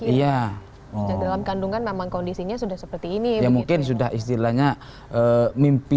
iya dalam kandungan memang kondisinya sudah seperti ini mungkin sudah istilahnya mimpi